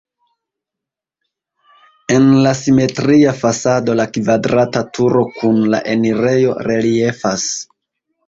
En la simetria fasado la kvadrata turo kun la enirejo reliefas.